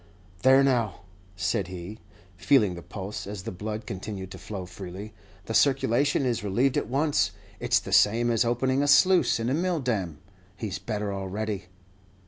"There, now," said he, feeling the pulse, as the blood continued to flow freely, "the circulation is relieved at once; it's the same as opening a sluice in a mill dam. He 's better already."